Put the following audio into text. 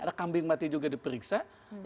ada kambing mati juga diperiksa